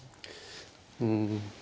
うん。